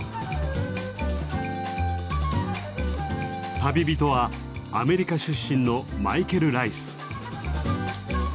旅人はアメリカ出身のマイケル・ライス。